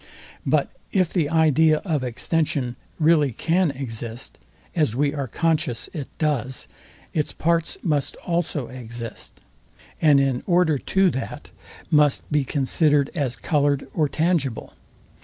But if the idea of extension really can exist, as we are conscious it does, its parts must also exist; and in order to that, must be considered as coloured or tangible.